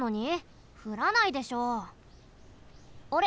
あれ？